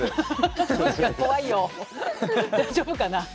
大丈夫かな。